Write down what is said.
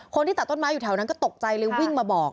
คนที่ตัดต้นไม้อยู่แถวนั้นก็ตกใจเลยวิ่งมาบอก